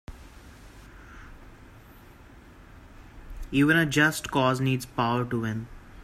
Even a just cause needs power to win.